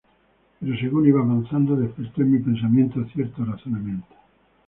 Pero según iba avanzando, despertó en mi pensamiento cierto razonamiento.